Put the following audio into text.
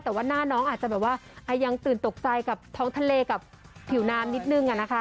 แต่ว่าหน้าน้องอาจจะแบบว่ายังตื่นตกใจกับท้องทะเลกับผิวน้ำนิดนึงอะนะคะ